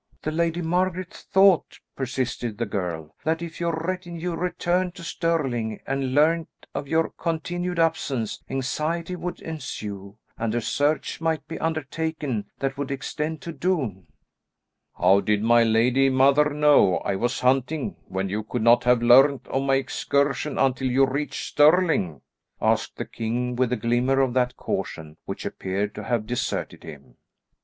"The Lady Margaret thought," persisted the girl, "that if your retinue returned to Stirling and learned of your continued absence, anxiety would ensue, and a search might be undertaken that would extend to Doune." "How did my lady mother know I was hunting when you could not have learned of my excursion until you reached Stirling?" asked the king, with a glimmer of that caution which appeared to have deserted him.